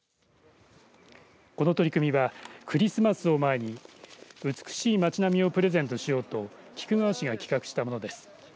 この取り組みはクリスマスを前に美しい町並みをプレゼントしようと菊川市が企画したものです。